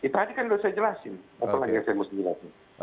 tadi kan sudah saya jelasin apa lagi yang saya mesti jelasin